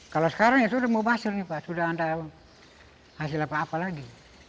kalau sekarang ya sudah mau basir nih pak sudah ada hasil apa apa lagi